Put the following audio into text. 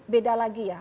beda lagi ya